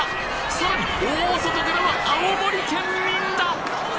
さらに大外からは青森県民だ！